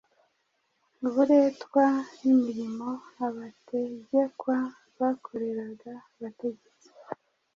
Uburetwa ni imirimo abategekwa bakoreraga abategetsi